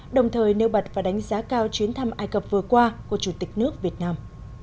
đồng thời nêu bật và đánh giá cao chuyến thăm ai cập vừa qua của chủ tịch nước việt nam